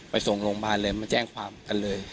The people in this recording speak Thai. ไปส่งโรงพยาบาลเลยมาแจ้งความกันเลย